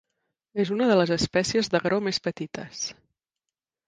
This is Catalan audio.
És una de les espècies d'agró més petites.